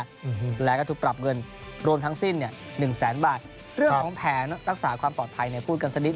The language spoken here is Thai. อืมแล้วก็ถูกปรับเงินรวมทั้งสิ้นเนี่ยหนึ่งแสนบาทเรื่องของแผนรักษาความปลอดภัยเนี่ยพูดกันสักนิด